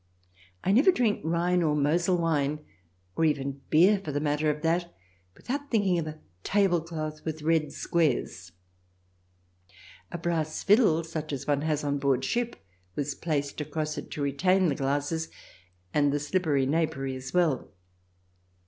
(I never drink Rhine or Mosel wine, or even beer for the matter of that, without thinking of a tablecloth with red squares.) A brass fiddle, such as one has on board ship, was placed across it to retain the glasses and the slippery napery as well.